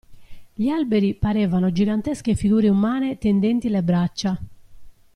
Gli alberi parevano gigantesche figure umane tendenti le braccia.